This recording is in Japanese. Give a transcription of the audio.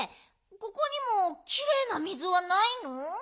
ここにもきれいな水はないの？